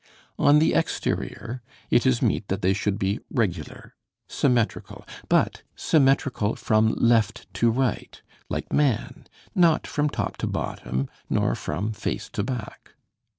On the exterior, it is meet that they should be regular, symmetrical but symmetrical from left to right like man, not from top to bottom nor from face to back.